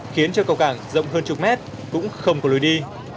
khiến cho cầu cảng rộng hơn chục mét cũng không có lối đi